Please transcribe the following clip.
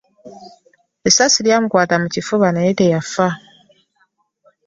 Essasi lyamukwata mu kifuba naye teyafa.